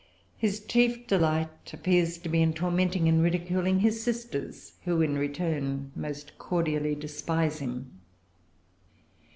His chief delight appears to be in tormenting and ridiculing his sisters, who in return most cordially despise him.